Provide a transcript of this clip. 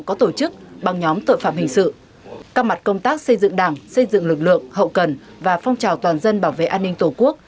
các mặt công tác xây dựng đảng xây dựng lực lượng hậu cần và phong trào toàn dân bảo vệ an ninh tổ quốc